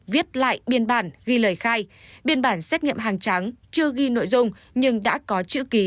viết lại biên bản ghi lời khai biên bản xét nghiệm hàng trắng chưa ghi nội dung nhưng đã có chữ ký